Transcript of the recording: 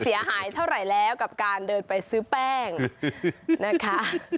เสียหายเท่าไหร่แล้วกับการเดินไปซื้อแป้งนะคะ